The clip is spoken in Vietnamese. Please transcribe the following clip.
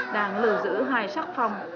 đang lừa giữ hai sắc phong